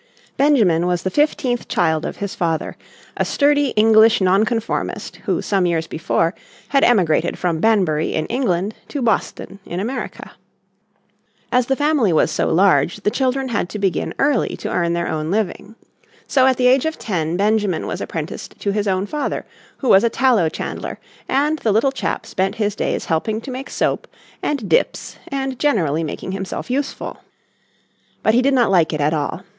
Benjamin was the fifteenth child of his father, a sturdy English Nonconformist who some years before had emigrated from Banbury in England to Boston in America. As the family was so large the children had to begin early to earn their own living. So at the age of ten Benjamin was apprenticed to his own father, who was a tallow chandler, and the little chap spent his days helping to make soap and "dips" and generally making himself useful. But he did not like it at all.